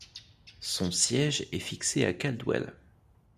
Son siège est fixé à Caldwell.